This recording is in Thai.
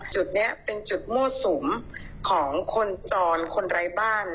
จุดนี้เป็นจุดมั่วสุมของคนจรคนไร้บ้าน